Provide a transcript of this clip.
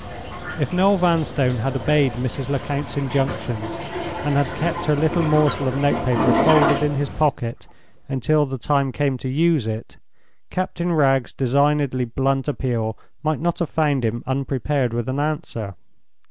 If Noel Vanstone had obeyed Mrs. Lecount's injunctions, and had kept her little morsel of note paper folded in his pocket until the time came to use it, Captain Wragge's designedly blunt appeal might not have found him unprepared with an answer.